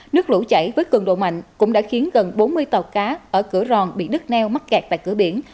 nước lũ chảy với cường độ mạnh cũng đã khiến gần bốn mươi tàu cá ở cửa ròn bị đứt neo mắc kẹt tại cửa biển